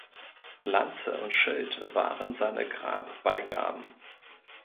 Lanze und Schild waren seine Grabbeigaben.